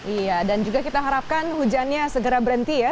iya dan juga kita harapkan hujannya segera berhenti ya